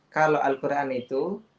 kalau al quran itu